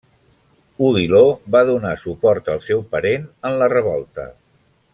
Odiló va donar suport al seu parent en la revolta.